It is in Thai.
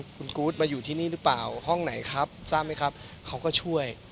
คุณกู๊ดมาอยู่ที่นี่หรือเปล่าห้องไหนครับทราบไหมครับเขาก็ช่วย